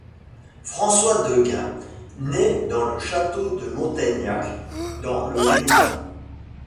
François de Gain nait dans le château de Montaignac dans le Limousin.